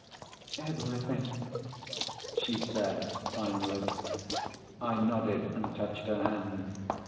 "Everything," she said finally. I nodded and touched her hand.